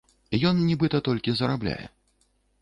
Ён нібыта толькі зарабляе.